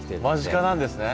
間近なんですね。